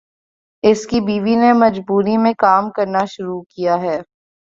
اس کی بیوی نے مجبوری میں کام کرنا شروع کیا ہے۔